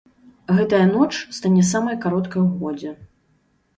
Гэтая ноч стане самай кароткай у годзе.